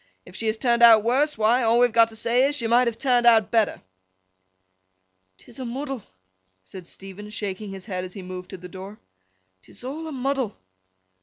If she has turned out worse—why, all we have got to say is, she might have turned out better.' ''Tis a muddle,' said Stephen, shaking his head as he moved to the door. ''Tis a' a muddle!